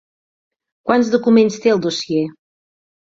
Quants documents té el dossier?